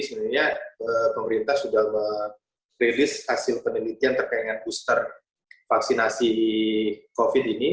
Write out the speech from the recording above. sebenarnya pemerintah sudah merilis hasil penelitian terkait dengan booster vaksinasi covid ini